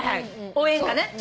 応援歌ね。